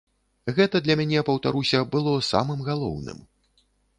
Гэта для мяне, паўтаруся, было самым галоўным.